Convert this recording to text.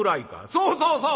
「そうそうそう！